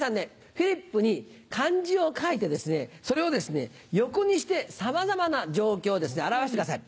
フリップに漢字を書いてそれをですね横にしてさまざまな状況を表してください。